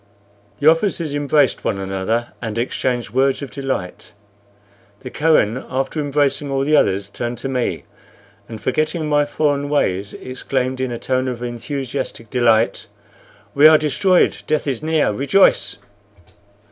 The officers embraced one another and exchanged words of delight. The Kohen, after embracing all the others, turned to me, and, forgetting my foreign ways, exclaimed, in a tone of enthusiastic delight, "We are destroyed! Death is near! Rejoice!"